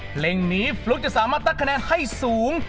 เพลงนี้ฟลุ๊กจะสามารถตักคะแนนให้สูง